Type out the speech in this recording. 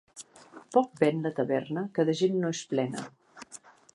Poc ven la taverna que de gent no és plena.